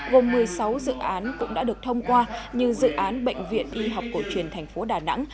gồm một mươi sáu dự án cũng đã được thông qua như dự án bệnh viện y học cổ truyền thành phố đà nẵng